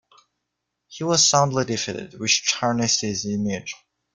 He was soundly defeated, which tarnished his image.